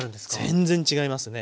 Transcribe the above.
全然違いますね。